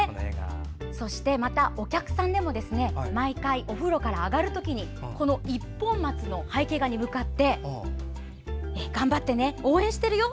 また、お客さんでもお風呂から上がる時にこの一本松の背景画に向かって「頑張ってね、応援してるよ。